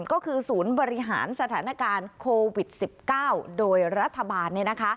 ก็คือศูนย์บริหารสถานการณ์โควิด๑๙โดยรัฐบาล